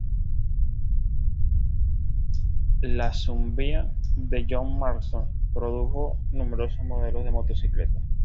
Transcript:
La Sunbeam de John Marston produjo numerosos modelos de motocicletas.